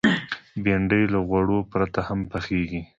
بېنډۍ له غوړو پرته هم پخېږي